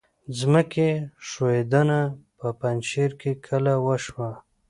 ځمکې ښویدنه په پنجشیر کې کله وشوه؟